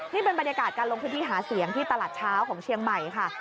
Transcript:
นี่เป็นบรรยากาศการลงพื้นที่หาเสียงที่ตลาดเช้าของเชียงใหม่ค่ะ